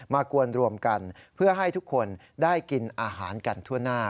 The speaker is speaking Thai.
กวนรวมกันเพื่อให้ทุกคนได้กินอาหารกันทั่วหน้า